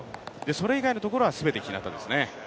それ以外のところは全てひなたですね。